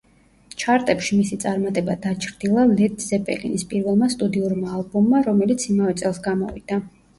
ჩარტებში მისი წარმატება დაჩრდილა ლედ ზეპელინის პირველმა სტუდიურმა ალბომმა, რომელიც იმავე წელს გამოვიდა.